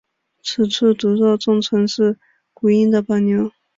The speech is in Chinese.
此处读若重唇是古音的保留。